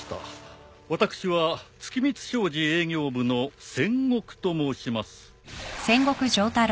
私は月密商事営業部の千石と申します。